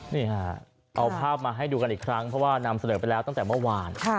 นี่ค่ะเอาภาพมาให้ดูกันอีกครั้งเพราะว่านำเสนอไปแล้วตั้งแต่เมื่อวาน